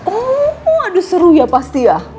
oh waduh seru ya pasti ya